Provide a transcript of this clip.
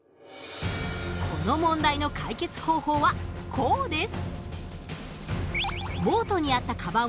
この問題の解決方法はこうです。